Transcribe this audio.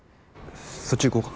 そっち行こうか？